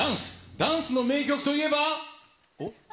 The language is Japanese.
ダンスの名曲といえば？